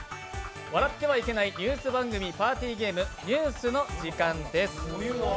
笑ってはいけないニュース番組、パーティーゲーム、「ニュースの時間です」。